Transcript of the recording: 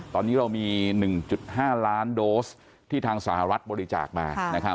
ตอนนี้เรามี๑๕ล้านโดสที่ทางสหรัฐบริจาคมา